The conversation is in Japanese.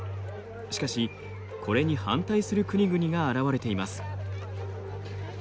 しかしこれに反対する国々が現れています。